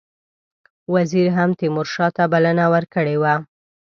وزیر هم تیمورشاه ته بلنه ورکړې وه.